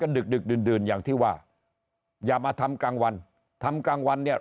ดึกดึกดื่นดื่นอย่างที่ว่าอย่ามาทำกลางวันทำกลางวันเนี่ย